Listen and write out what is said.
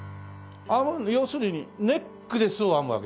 要するにネックレスを編むわけですか？